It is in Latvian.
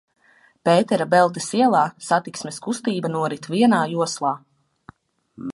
Pētera Beltes ielā satiksmes kustība norit vienā joslā.